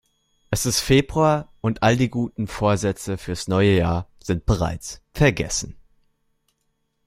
Es ist Februar und all die guten Vorsätze fürs neue Jahr sind bereits vergessen.